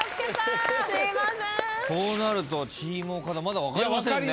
こうなるとチーム岡田まだ分かりませんね。